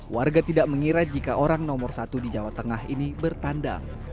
warga tidak mengira jika orang nomor satu di jawa tengah ini bertandang